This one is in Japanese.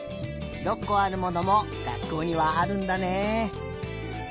６こあるものもがっこうにはあるんだね。